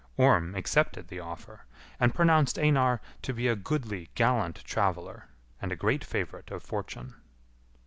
Orm accepted the offer, and pronounced Einar to be a goodly gallant traveller, and a great favourite of fortune.